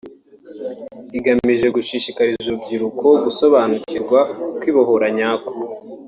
igamije gushishikariza urubyiruko gusobanukirwa kwibohora nyako